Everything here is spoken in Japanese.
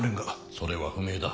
それは不明だ。